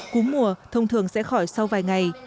cúm mùa thông thường sẽ khỏi sau vài ngày